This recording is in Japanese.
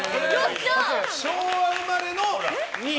昭和生まれの２位。